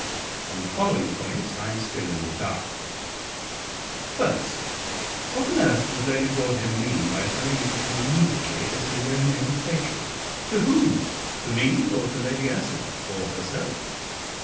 On the following points I am still in the dark: First, What on earth does Lady Broadhem mean by telling me to come immediately, as delay may be fatal? to whom? to me or to Lady Ursula, or herself?